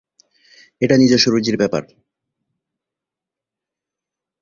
এটা নিজস্ব রুচির ব্যাপার।